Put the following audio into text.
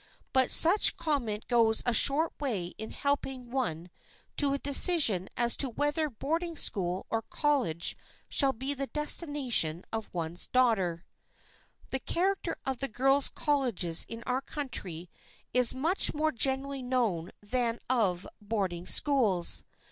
But such comment goes a short way in helping one to a decision as to whether boarding school or college shall be the destination of one's daughter. [Sidenote: THE BOARDING SCHOOL] The character of the girls' colleges in our country is much more generally known than that of boarding schools.